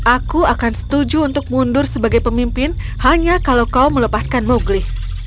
aku akan setuju untuk mundur sebagai pemimpin hanya kalau kau melepaskan mowgli